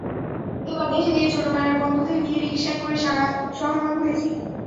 এবার দেশে গিয়ে ছোটবেলার বন্ধুদের নিয়ে রিকশায় করে সারা শহরময় ঘুরেছি।